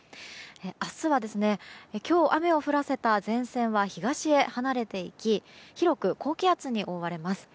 明日は、今日雨を降らせた前線は東へ離れていき広く高気圧に覆われます。